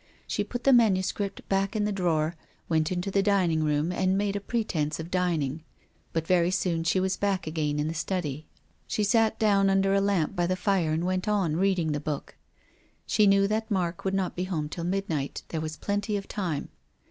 She put the manuscript back in the drawer, went into the dining room and made a pretence of dining. But very soon she was back again in the study. She sat down under a lamp by the fire and went on reading the book. She knew that Mark would not be home till midnight ; there was plenty of time.